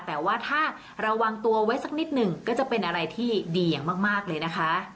แต่ว่าถ้าระวังตัวไว้สักนิดหนึ่งก็จะเป็นอะไรที่ดีอย่างมากเลยนะคะ